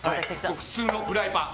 普通のフライパン。